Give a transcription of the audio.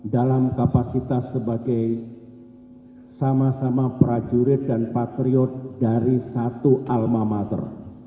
dalam kapasitas sebagai sama sama prajurit dan patriot dari satu alma mater